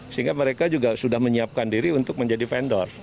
sehingga mereka juga sudah menyiapkan diri untuk menjadi vendor